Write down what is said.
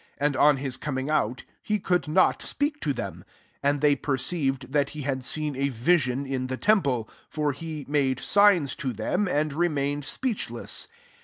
23 And on his coming out, he could not speak to them i and they perceived that he had seen a vision in the temple : for he made signs to them, and re» mained speechless.